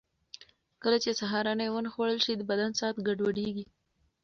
کله چې سهارنۍ ونه خورل شي، د بدن ساعت ګډوډ کېږي.